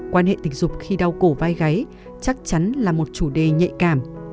quan hệ tình dục khi đau cổ vai gáy chắc chắn là một chủ đề nhạy cảm